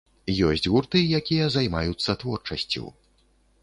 Ёсць гурты, якія займаюцца творчасцю.